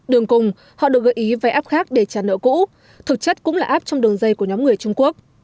đường cùng họ được gợi ý vay app khác để trả nợ cũ thực chất cũng là app trong đường dây của nhóm người trung quốc